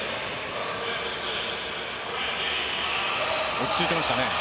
落ち着いてましたね。